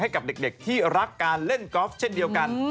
ให้กับเด็กที่รักการเล่นกอล์ฟเช่นเดียวกัน